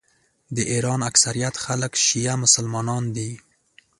د ایران اکثریت خلک شیعه مسلمانان دي.